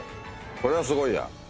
これはすごいや。